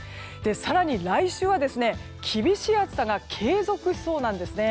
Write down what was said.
更に、来週は厳しい暑さが継続しそうなんですね。